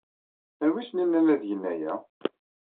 Anwa ay asen-yennan ad gen aya?